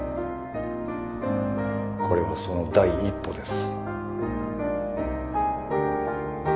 これはその第一歩です。